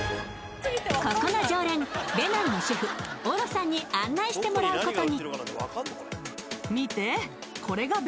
ここの常連、ベナンの主婦・オロさんに案内してもらうことに。